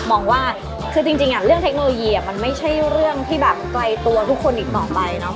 มองว่าคือจริงเรื่องเทคโนโลยีมันไม่ใช่เรื่องที่แบบไกลตัวทุกคนอีกต่อไปเนาะ